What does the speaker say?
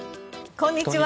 こんにちは。